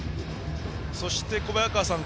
そして小早川さん